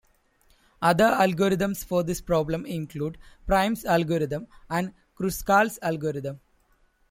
Other algorithms for this problem include Prim's algorithm and Kruskal's algorithm.